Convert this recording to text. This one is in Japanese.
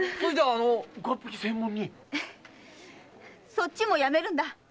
そっちもやめるんだ。